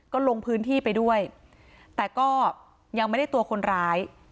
ก็ลงพื้นที่ไปด้วยแต่ก็ยังไม่ได้ตัวคนร้าย